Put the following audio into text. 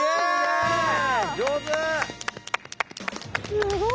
すごい。